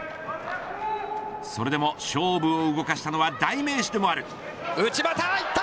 それでも勝負を動かしたのは代名詞でもある。